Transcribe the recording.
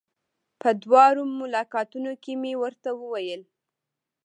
په دواړو ملاقاتونو کې مې ورته وويل.